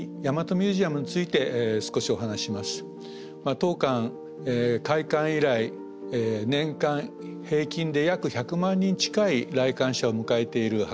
当館開館以来年間平均で約１００万人近い来館者を迎えている博物館です。